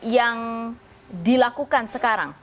yang dilakukan sekarang